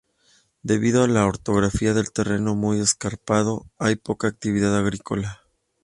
Debido a la orografía del terreno, muy escarpado, hay poca actividad agrícola.